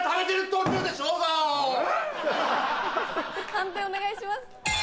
判定お願いします。